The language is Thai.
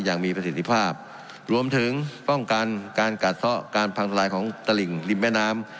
อย่างมีประสิทธิภาพรวมถึงป้องกันการกัดซ่อการพังทลายของตลิ่งริมแม่น้ำ